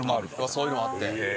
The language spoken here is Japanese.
そういうのもあって。